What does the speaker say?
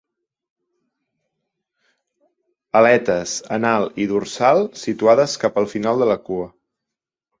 Aletes anal i dorsal situades cap al final de la cua.